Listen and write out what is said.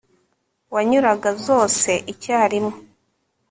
wanyuraga zose icyarimwe